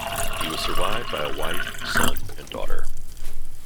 He was survived by wife, son and daughter.